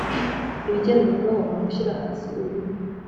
ibigenderwaho mu gushyira hasi uyu